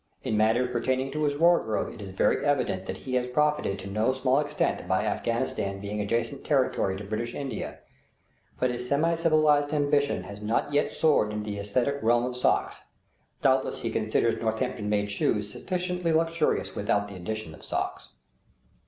In matters pertaining to his wardrobe it is very evident that he has profited to no small extent by Afghanistan being adjacent territory to British India; but his semi civilized ambition has not yet soared into the aesthetic realm of socks; doubtless he considers Northampton made shoes sufficiently luxurious without the addition of socks.